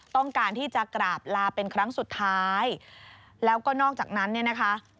ต้องการที่จะกราบลาเป็นครั้งสุดท้ายแล้วก็นอกจากนั้นเนี่ยนะคะ